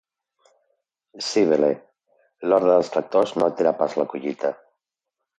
Cíbele: l'ordre dels tractors no altera pas la collita.